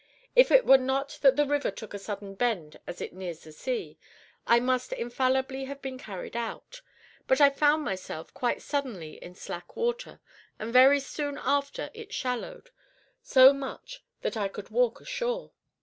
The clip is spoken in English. If it were not that the river took a sudden bend as it nears the sea, I must infallibly have been carried out; but I found myself quite suddenly in slack water, and very soon after it shallowed so much that I could walk ashore.